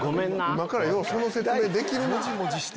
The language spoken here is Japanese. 今からようその説明できるなぁ。